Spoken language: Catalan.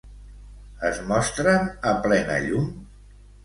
Es mostren a plena llum?